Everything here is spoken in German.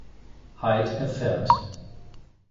Hyde erfährt.